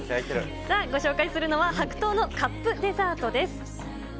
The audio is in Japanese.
さあご紹介するのは、白桃のカップデザートです。